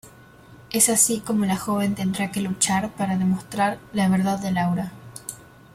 Es así como la joven tendrá que luchar para demostrar "La verdad de Laura".